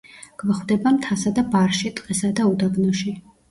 გვხვდება მთასა და ბარში, ტყესა და უდაბნოში.